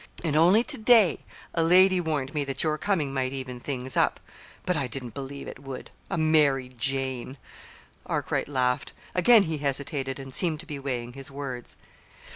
And only to day a lady warned me that your coming might even things up. But I didn't believe it would a Mary Jane!" Arkwright laughed. Again he hesitated, and seemed to be weighing his words.